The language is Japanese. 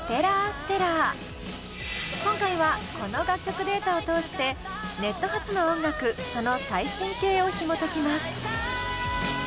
今回はこの楽曲データを通してネット発の音楽その最新形をひもときます。